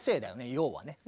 要はね。